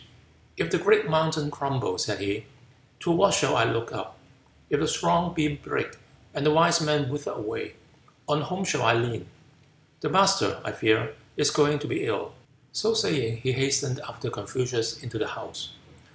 "If the great mountain crumble," said he, "to what shall I look up? If the strong beam break, and the wise man wither away, on whom shall I lean? The master, I fear, is going to be ill." So saying, he hastened after Confucius into the house.